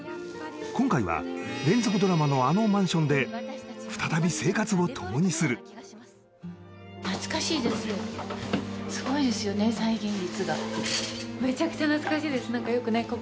今回は連続ドラマのあのマンションで再び生活を共にする何かよくね